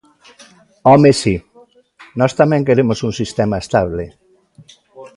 ¡Home, si!, nós tamén queremos un sistema estable.